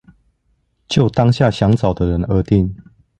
就當下想找的人而定